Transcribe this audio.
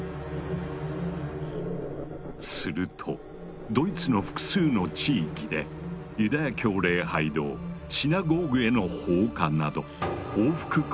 するとドイツの複数の地域でユダヤ教礼拝堂シナゴーグへの放火など報復行為が始まる。